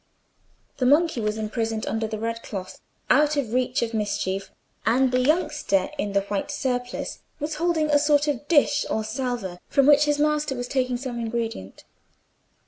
The monkey was imprisoned under the red cloth, out of reach of mischief, and the youngster in the white surplice was holding a sort of dish or salver, from which his master was taking some ingredient.